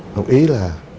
một ý là